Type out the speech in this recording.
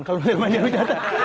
kalau lo lihat banjir hujatan